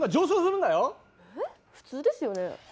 普通ですよね？